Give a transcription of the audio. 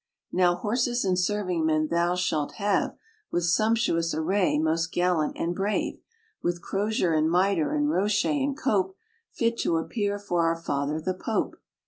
1 "Now horses and serving men thou shalt have, With sumptuous array most gallant and brave, With crozier and mitre, and rochet, and cope, Fit to appear 'fore our Father the Pope."